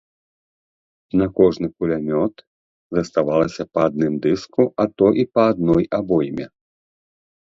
На кожны кулямёт заставалася па адным дыску, а то і па адной абойме.